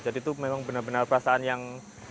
jadi itu memang benar benar perasaan yang